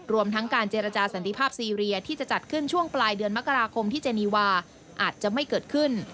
รวมทั้งการเจรจาสันติภาพซีเรียที่จะจัดขึ้นช่วงปลายเดือนมกราคมที่เจนีวาอาจจะไม่เกิดขึ้น